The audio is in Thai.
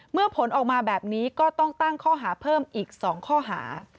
ผลออกมาแบบนี้ก็ต้องตั้งข้อหาเพิ่มอีก๒ข้อหา